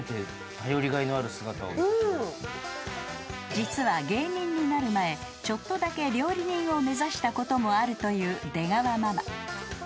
［実は芸人になる前ちょっとだけ料理人を目指したこともあるという出川ママ］